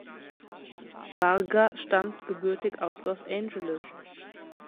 Varga stammt gebürtig aus Los Angeles.